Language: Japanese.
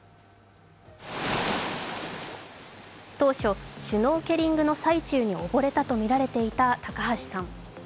当初、シュノーケリングの最中に溺れたとみられていた高橋さん。